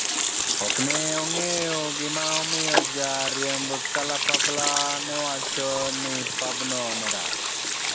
okne ong'eyo gima omiyo ja riemb kalapapla ne wacho ni pabno ne rach.